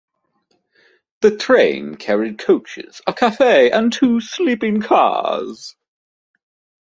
The train carried coaches, a cafe, and two sleeping cars.